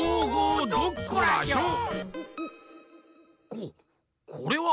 ここれは！